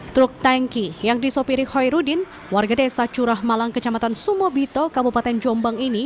truk tangki yang disopiri hoirudin warga desa curah malang kecamatan sumobito kabupaten jombang ini